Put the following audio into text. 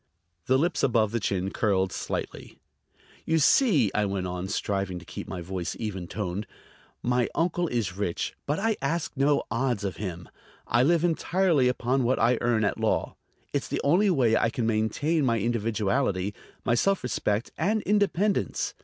The lips above the chin curled slightly. "You see," I went on, striving to keep my voice even toned, "my uncle is rich, but I ask no odds of him. I live entirely upon what I earn at law. It's the only way I can maintain my individuality, my self respect and independence.